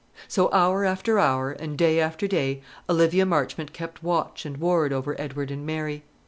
So, hour after hour, and day after day, Olivia Marchmont kept watch and ward over Edward and Mary.